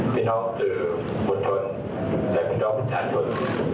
ที่น้องคือคนชนและคนชอบคนชาญชน